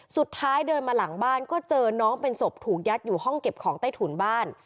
สุดท้ายเดินมาหลังบ้านก็เจอน้องเป็นศพถูกยัดอยู่ห้องเก็บของใต้ถุนบ้าน